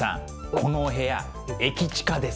このお部屋駅近です。